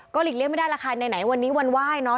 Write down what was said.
ก็หลีกเรียกไม่ได้ราคาไหนวันนี้วันว่ายเนอะ